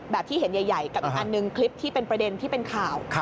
ที่เห็นใหญ่กับอีกอันหนึ่งคลิปที่เป็นประเด็นที่เป็นข่าว